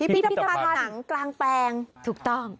พิพิธภัณฑ์หนังกลางแปลง